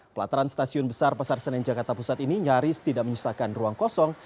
pelataran stasiun besar pasar senen jakarta pusat ini nyaris tidak menyisakan ruang kosong